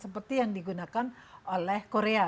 seperti yang digunakan oleh korea